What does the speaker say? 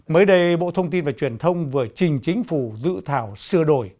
mới đây bộ thông tin và truyền thông vừa trình chính phủ dự thảo sửa đổi